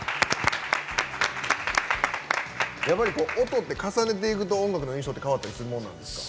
音って重ねていくと音楽の印象って変わったりするもんなんですか？